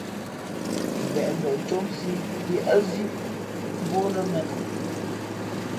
Mbeʼmbeʼ ncǒmsī līēʼzī mbú ó lά mēn a.